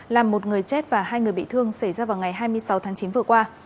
làm một người chết và hai người bị thương xảy ra vào ngày hai mươi sáu tháng chín vừa qua